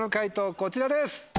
こちらです。